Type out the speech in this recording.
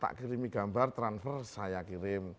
tak kirimi gambar transfer saya kirim